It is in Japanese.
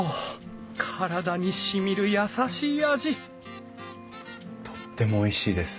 体にしみる優しい味とってもおいしいです。